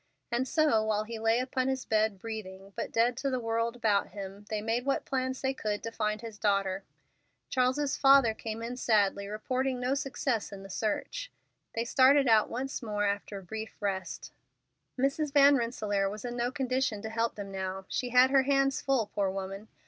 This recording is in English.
And so, while he lay upon his bed, breathing, but dead to the world about him, they made what plans they could to find his daughter. Charles's father came in sadly, reporting no success in the search. They started out once more after a brief rest. Mrs. Van Rensselaer was in no condition to help them now. She had her hands full, poor woman.